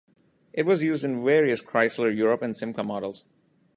It was used in various Chrysler Europe and Simca models.